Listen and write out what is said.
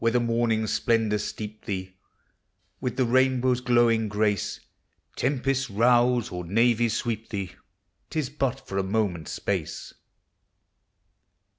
Whether morning's splendors steep thee With the rainbow's glowing grace, Tempests rouse, or navies sweep thee, T is but for a moment's space.